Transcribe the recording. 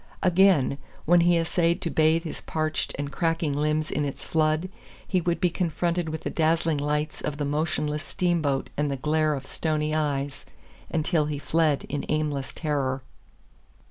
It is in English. Again, when he essayed to bathe his parched and crackling limbs in its flood, he would be confronted with the dazzling lights of the motionless steamboat and the glare of stony eyes until he fled in aimless terror.